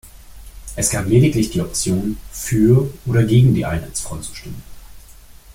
Es gab lediglich die Option, für oder gegen die Einheitsfront zu stimmen.